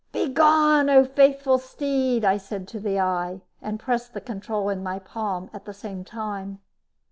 "Begone, O faithful steed," I said to the eye, and pressed the control in my palm at the same time.